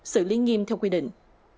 xử lý nghiêm theo quy định